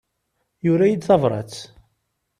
Yura-yi-d tabrat.